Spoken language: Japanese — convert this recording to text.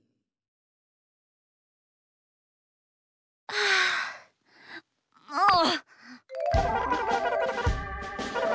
はあもう！